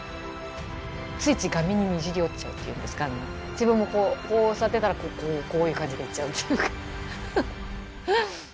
自分もこうこう座ってたらこういう感じで行っちゃうっていうか。